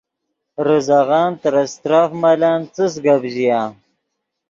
ریزغن ترے استرف ملن څس گپ ژیا